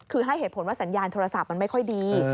คือให้เหตุผลว่าสัญญาณโทรศัพท์มันไม่ค่อยดี